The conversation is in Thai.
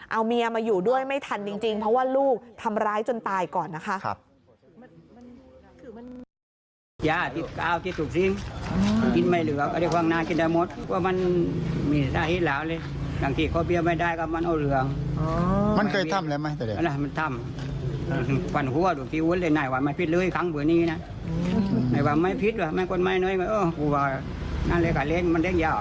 เอาเมียมาอยู่ด้วยไม่ทันจริงเพราะว่าลูกทำร้ายจนตายก่อนนะคะ